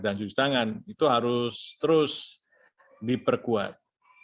cuci tangan itu harus terus diperkuat